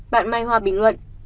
bạn mai hoa bình luận